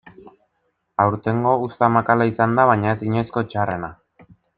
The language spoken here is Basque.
Aurtengo uzta makala izan da baina ez inoizko txarrena.